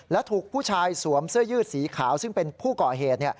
และถูกผู้ชายสวมเสื้อยืดสีขาวซึ่งเป็นผู้ก่อเหตุ